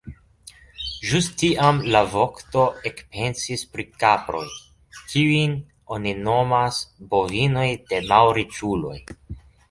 Ĵus tiam la vokto ekpensis pri kaproj, kiujn oni nomas bovinoj de malriĉuloj.